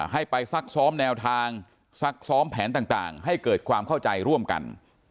ให้ไปซักซ้อมแนวทางซักซ้อมแผนต่างให้เกิดความเข้าใจร่วมกัน